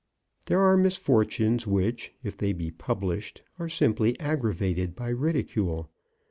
There are misfortunes which, if they be pub lished, are simply aggravated by ridicule.